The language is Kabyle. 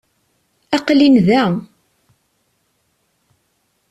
Aqel-in da.